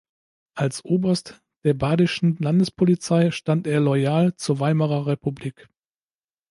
Als Oberst der badischen Landespolizei stand er loyal zur Weimarer Republik.